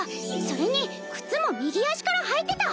それに靴も右足から履いてた。